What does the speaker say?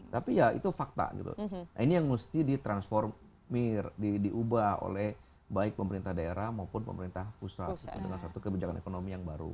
tapi ya itu fakta gitu ini yang mesti ditransformir diubah oleh baik pemerintah daerah maupun pemerintah pusat dengan satu kebijakan ekonomi yang baru